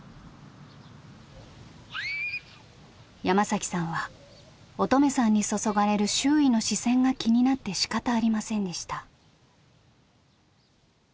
山さんは音十愛さんに注がれる周囲の視線が気になってしかたありませんでした。